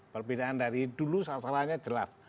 perbedaan dari dulu salah salahnya jelas